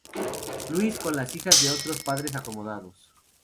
Louis con las hijas de otros padres acomodados.